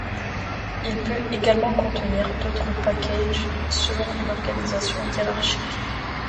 Il peut également contenir d'autres packages, selon une organisation hiérarchique.